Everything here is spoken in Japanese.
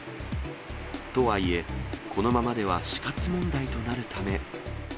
とはいえ、このままでは死活問題となるため。